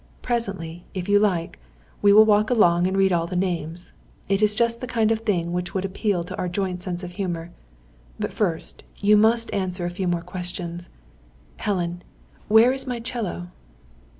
Presently, if you like, we will walk along and read all the names. It is just the kind of thing which would appeal to our joint sense of humour. But first you must answer a few more questions. Helen where is my 'cello?"